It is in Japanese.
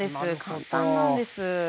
簡単なんです。